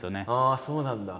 ああそうなんだ！